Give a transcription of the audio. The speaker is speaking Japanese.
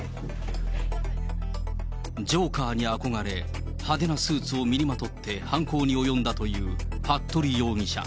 ジョーカーに憧れ、派手なスーツを身にまとって犯行に及んだという、服部容疑者。